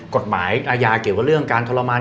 กฎหมายอาญาเกี่ยวกับเรื่องการทรมาน